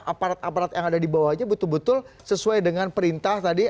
aparat aparat yang ada di bawahnya betul betul sesuai dengan perintah tadi